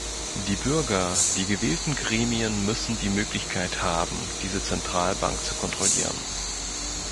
Die Bürger, die gewählten Gremien müssen die Möglichkeit haben, diese Zentralbank zu kontrollieren.